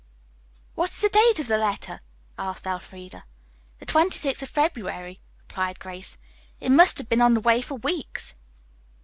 "What is the date of the letter!" asked Elfreda. "The twenty sixth of February," replied Grace. "It must have been on the way for weeks."